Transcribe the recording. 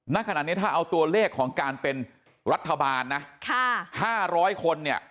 ณขณะนี้ถ้าเอาตัวเลขของการเป็นรัฐบาลนะ๕๐๐คนเนี่ย